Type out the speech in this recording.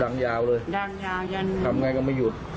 ยังยาวเลยดังยาวยันทำไงก็ไม่หยุด